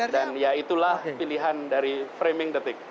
dan ya itulah pilihan dari framing detik